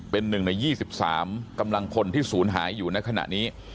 เป็น๑ใน๒๓กำลังคนที่ศูนย์หายอยู่ในขณะนี้